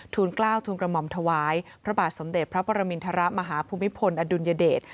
กล้าวทูลกระหม่อมถวายพระบาทสมเด็จพระปรมินทรมาฮภูมิพลอดุลยเดช